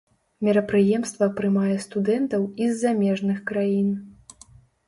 Мерапрыемства прымае студэнтаў і з замежных краін.